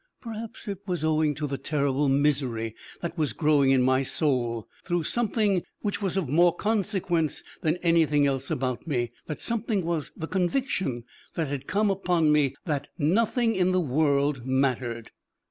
Perhaps it was owing to the terrible misery that was growing in my soul through something which was of more consequence than anything else about me: that something was the conviction that had come upon me that nothing in the world mattered.